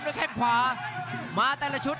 รับทราบบรรดาศักดิ์